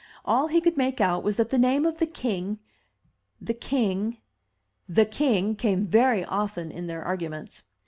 All he could make out was that the name of the king — the king — the king came very often in their arguments.